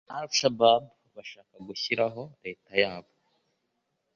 Al Shabab bashakaga gushyiraho Leta yabo